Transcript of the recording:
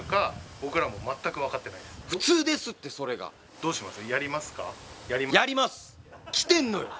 どうします？